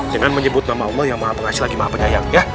dengan menyebut nama umel yang mengasihi lagi maafannya ayah